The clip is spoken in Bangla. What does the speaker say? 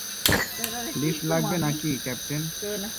লিফট লাগবে নাকি, ক্যাপ্টেন।